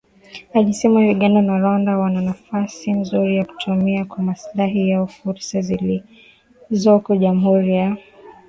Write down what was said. Alisema Uganda na Rwanda wana nafasi nzuri ya kutumia kwa maslahi yao fursa zilizoko Jamhuri ya kidemokrasia ya Kongo.